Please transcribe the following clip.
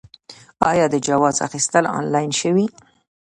آیا د جواز اخیستل آنلاین شوي؟